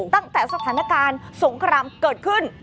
ตั้งแต่สถานการณ์สงครามเกิดขึ้น